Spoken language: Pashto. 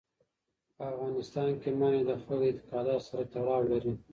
په افغانستان کې منی د خلکو د اعتقاداتو سره تړاو لري.